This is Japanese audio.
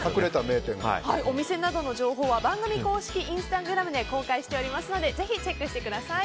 お店などの情報は番組公式インスタグラムで公開しておりますのでぜひチェックしてください。